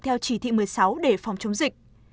theo chỉ thị một mươi sáu để phòng chống dịch